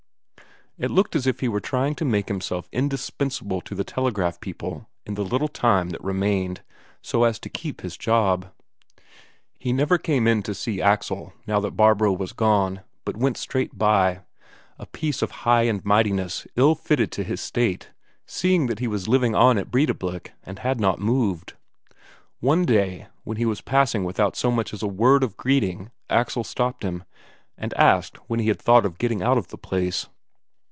It looked as if he were trying to make himself indispensable to the telegraph people in the little time that remained, so as to keep his job. He never came in to see Axel now that Barbro was gone, but went straight by a piece of high and mightiness ill fitted to his state, seeing that he was still living on at Breidablik and had not moved. One day, when he was passing without so much as a word of greeting, Axel stopped him, and asked when he had thought of getting out of the place.